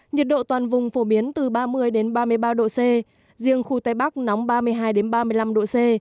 nhiệt độ toàn vùng phổ biến từ ba mươi ba mươi ba độ c riêng khu tây bắc nóng ba mươi hai ba mươi năm độ c